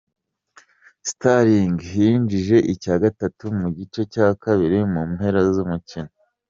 Sterling yinjije icya gatatu mu gice cya kabiri mu mpera z'umukino.